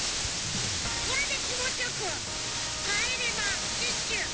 これできもちよくかえれまシュッシュ！